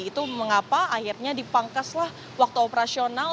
itu mengapa akhirnya dipangkaslah waktu operasional